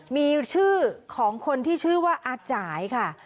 มีชื่อของคนที่ชื่อว่าอาจ่ายค่ะ